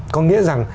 có nghĩa rằng